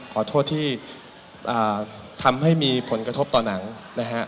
ขอโทษที่ทำให้มีผลกระทบต่อหนังนะฮะ